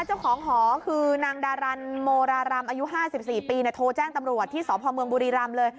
เจ้าของหอคือนางดารันโมรารำอายุ๕๔ปีโทรแจ้งตำรวจที่สพเมืองบุรีรำเลย